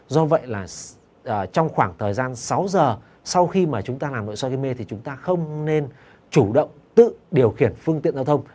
do vậy là trong khoảng thời gian sáu giờ sau khi mà chúng ta làm nội soi gây mê thì chúng ta không nên chủ động tự điều khiển phương tiện giao thông